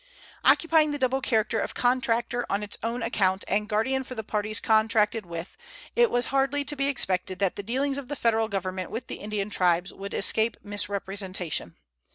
Occupying the double character of contractor on its own account and guardian for the parties contracted with, it was hardly to be expected that the dealings of the Federal Government with the Indian tribes would escape misrepresentation.